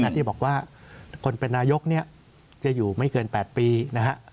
ที่บอกว่าคนเป็นนายกจะอยู่ไม่เกิน๘ปีนะครับ